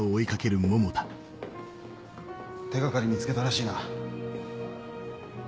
手掛かり見つけたらしいな。